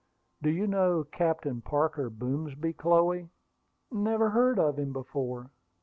"Do you know Captain Parker Boomsby, Chloe?" "Never heard of him before."